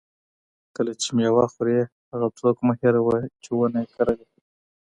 کله چې مېوه خورې، هغه څوک مه هېروه چې ونه یې کرلې.